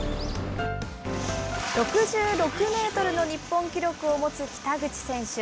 ６６メートルの日本記録を持つ北口選手。